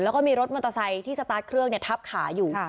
แล้วก็มีรถมอเตอร์ไซค์ที่สตาร์ทเครื่องทับขาอยู่